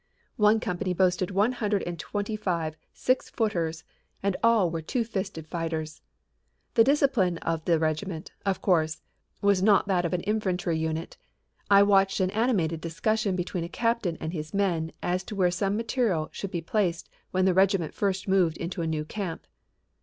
One company boasted one hundred and twenty five six footers and all were two fisted fighters. The discipline of the regiment, of course, was not that of an infantry unit. I watched an animated discussion between a captain and his men as to where some material should be placed when the regiment first moved into a new camp.